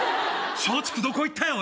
松竹どこいったよ？